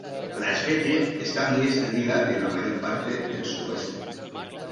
La especie está muy extendida en la mayor parte del sur-oeste.